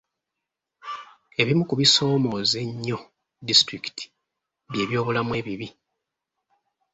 Ebimu ku bisoomooza ennyo disitulikiti bye byobulamu ebibi.